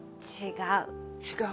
違う。